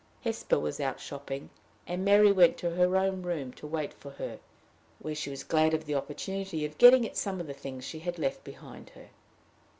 Hesper was out shopping, and Mary went to her own room to wait for her, where she was glad of the opportunity of getting at some of the things she had left behind her.